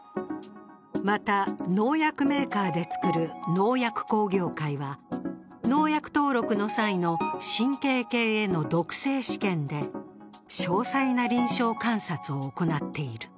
また、農薬メーカーで作る農薬工業会は農薬登録の際の神経系への毒性試験で詳細な臨床観察を行っている。